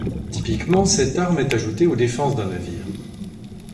Typiquement, cette arme est ajouté aux défenses d'un navire.